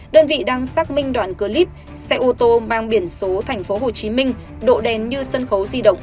đơn vị đang xác minh đoạn clip xe ô tô mang biển số tp hcm độ đèn như sân khấu di động